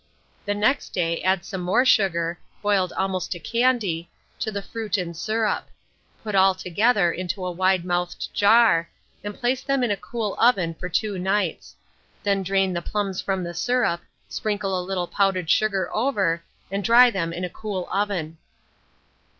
The next day add some more sugar, boiled almost to candy, to the fruit and syrup; put all together into a wide mouthed jar, and place them in a cool oven for 2 nights; then drain the plums from the syrup, sprinkle a little powdered sugar over, and dry them in a cool oven.